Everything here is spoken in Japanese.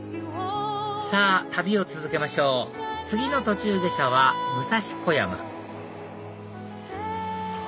さぁ旅を続けましょう次の途中下車は武蔵小山うわ！